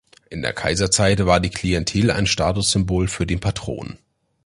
In der Kaiserzeit war die Klientel ein Statussymbol für den Patron.